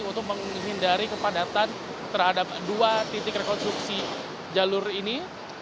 untuk menghindari kepadatan terhadap dua titik rekonstruksi jalur ini